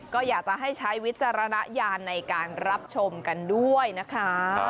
ก็อยากจะให้ใช้วิจารณญาณในการรับชมกันด้วยนะคะ